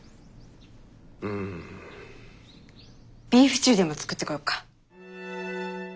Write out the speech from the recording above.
ビーフシチューでも作ってこようか。